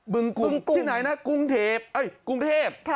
บึงกุ่มที่ไหนนะกรุงเทพเอ้ยกรุงเทพ